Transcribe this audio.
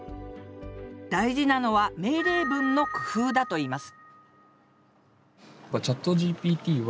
大事なのは命令文の工夫だといいます